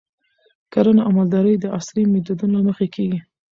کرنه او مالداري د عصري میتودونو له مخې کیږي.